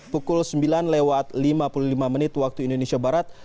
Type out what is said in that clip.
pukul sembilan lewat lima puluh lima menit waktu indonesia barat